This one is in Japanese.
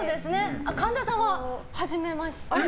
神田さんははじめまして。